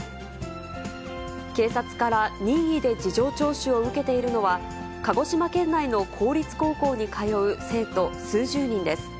警察から任意で事情聴取を受けているのは、鹿児島県内の公立高校に通う生徒数十人です。